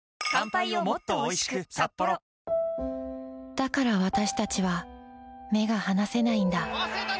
だからわたしたちは目が離せないんだ